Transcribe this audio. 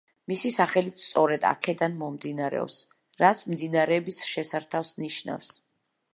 მისი სახელიც სწორედ აქედან მომდინარეობს, რაც მდინარეების შესართავს ნიშნავს.